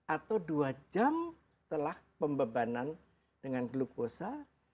atau dua jam setelah pembebanan dengan glukosa